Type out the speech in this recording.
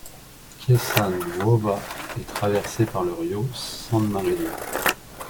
Chiesanuova est traversée par le Rio San Marino.